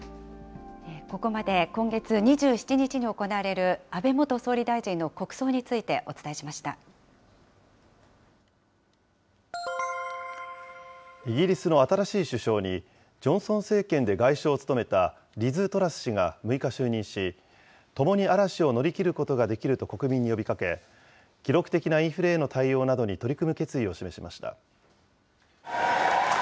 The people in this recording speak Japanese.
ここまで今月２７日に行われる安倍元総理大臣の国葬についてイギリスの新しい首相に、ジョンソン政権で外相を務めたリズ・トラス氏が６日、就任し、ともに嵐を乗り切ることができると国民に呼びかけ、記録的なインフレへの対応などに取り組む決意を示しました。